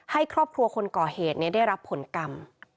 ให้ครอบครัวคนก่อเหตุได้รับผลกรรม